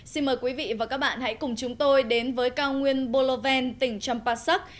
xin mời quý vị và các bạn hãy cùng chúng tôi đến với cao nguyên bolloven tỉnh champasak